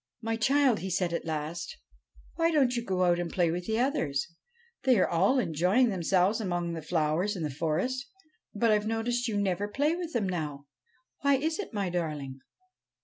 ' My child,' he said at last, 'why don't you go out and play with the others ? They are all enjoying themselves among the flowers in the forest ; but I Ve noticed you never play with them now. Why is it, my darling?'